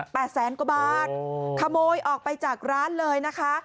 แสนกว่าบาทขโมยออกไปจากร้านเลยนะคะ